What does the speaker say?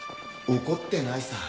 怒ってないさ。